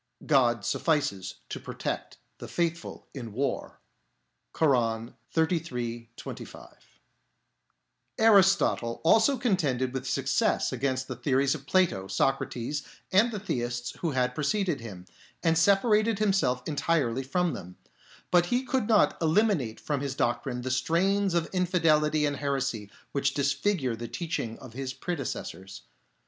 " God suffices to protect the faithful in war " (Koran, xxxiii. 25). PHILOSOPHY OF ARISTOTLE 27 Aristotle also contended with success against the theories of Plato, Socrates, and the theists who had preceded him, and separated himself entirely from them ; but he could not eliminate from his doctrine the stains of infidelity and heresy which disfigure the teaching of his predecessors.